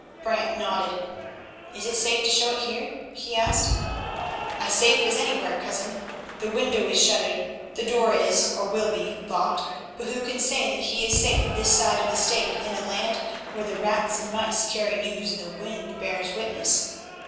Brant nodded. "Is it safe to show it here?" he asked. "As safe as anywhere, cousin; the window is shuttered, the door is, or will be, locked, but who can say that he is safe this side of the stake in a land where the rats and mice carry news and the wind bears witness?